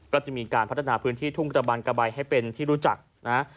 ก็จะมีการพัฒนาพื้นที่ทุ่งกระบันกะใบให้เป็นที่รู้จักนะ